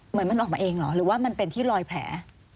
เหมือนมันออกมาเองเหรอหรือว่ามันเป็นที่ลอยแผล